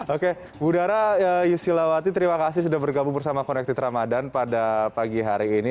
oke budara yusyulawati terima kasih sudah bergabung bersama connected ramadhan pada pagi hari ini